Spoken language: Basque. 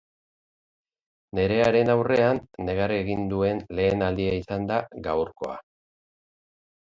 Nerearen aurrean negar egin duen lehen aldia izan da gaurkoa.